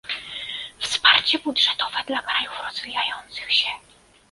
Wsparcie budżetowe dla krajów rozwijających się